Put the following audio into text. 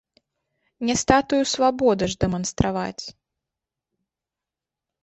Не статую свабоды ж дэманстраваць.